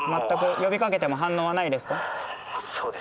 全く呼びかけても反応はないですか？